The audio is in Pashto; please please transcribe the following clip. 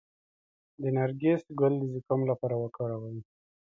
د نرګس ګل د زکام لپاره وکاروئ